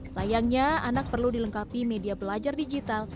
sayangnya anak perlu dilengkapi media belajar digital